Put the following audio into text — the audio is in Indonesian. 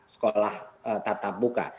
sekolah tatap muka